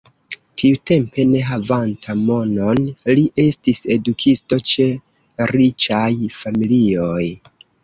Tiutempe ne havanta monon li estis edukisto ĉe riĉaj familioj.